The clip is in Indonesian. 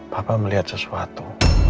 papa melihat sesuatu